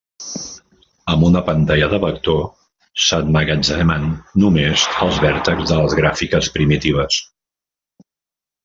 Amb una pantalla de vector, s'emmagatzemen només els vèrtexs de les gràfiques primitives.